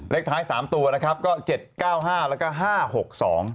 เล็กท้าย๓ตัวนะครับก็๗๙๕แล้วก็๕๖๒